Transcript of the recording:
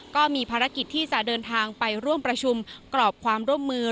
ก็มีภารกิจที่จะเดินทางไปร่วมประชุมกรอบความร่วมมือ